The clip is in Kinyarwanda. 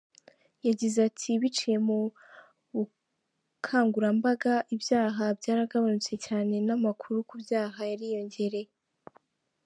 Yagize ati “Biciye mu bukangurambaga, ibyaha byaragabanutse cyane, n’amakuru ku byaha yariyongereye,.